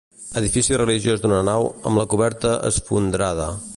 Edifici religiós d'una nau, amb la coberta esfondrada.